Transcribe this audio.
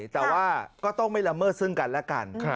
แต่ว่าก็ต้องไม่ละเมิดซึ่งกันและกัน